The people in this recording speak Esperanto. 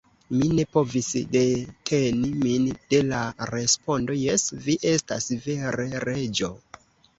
Mi ne povis deteni min de la respondo: "Jes, vi estas vere Reĝo."